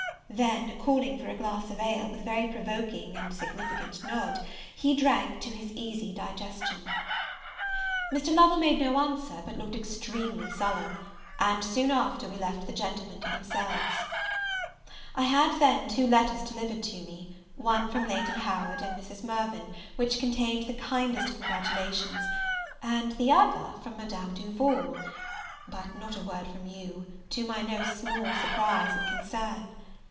Then, calling for a glass of ale, with a very provoking and significant nod, he drank to his easy digestion. Mr. Lovel made no answer, but looked extremely sullen; and, soon after, we left the gentlemen to themselves. I had then two letters delivered to me; one from Lady Howard and Mrs. Mirvan, which contained the kindest congratulations; and the other from Madame Duval; but not a word from you, to my no small surprise and concern.